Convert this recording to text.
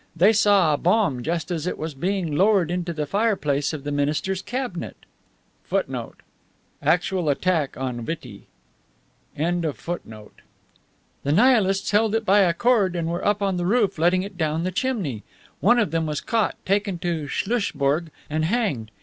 They saw a bomb just as it was being lowered into the fire place of the minister's cabinet.* The Nihilists held it by a cord and were up on the roof letting it down the chimney. One of them was caught, taken to Schlusselbourg and hanged.